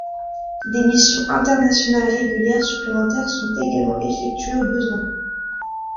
Des missions internationales régulières supplémentaires sont également effectuées au besoin.